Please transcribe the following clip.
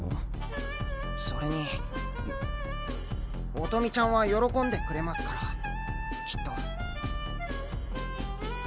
それに音美ちゃんは喜んでくれますからきっと。